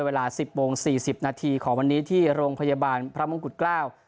เวลาสิบโมงสี่สิบนาทีของวันนี้ที่โรงพยาบาลพระมงกุฎเกล้า